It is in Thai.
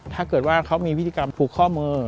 ถ้าเกิดว่าเขามีวิธีกรรมผูกข้อมือ